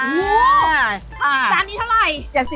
จานนี้เท่าไร